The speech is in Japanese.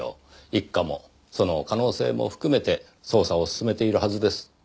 一課もその可能性も含めて捜査を進めているはずです。